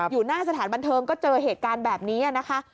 อยู่หน้าสถานบันเทิงก็เจอเหตุการณ์แบบนี้นะคะ